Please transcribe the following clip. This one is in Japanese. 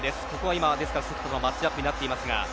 今、関田のマッチアップになっていますが。